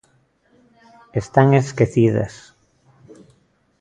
Están esquecidas.